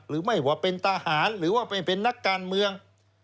หรือไม่ว่าเป็นทหารหรือว่าไม่เป็นนักการเมือง